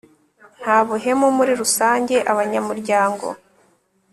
nta buhemu muri rusange abanyamuryango